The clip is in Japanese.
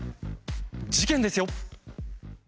事件ですよ。